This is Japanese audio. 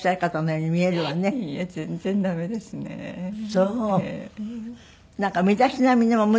そう。